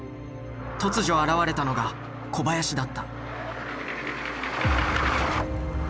突如現れたのが小林だった。